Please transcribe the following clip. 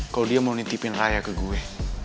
kalau dia mau nitipin raya ke gue